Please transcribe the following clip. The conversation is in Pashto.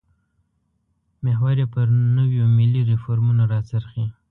محور یې پر نویو ملي ریفورمونو راڅرخي.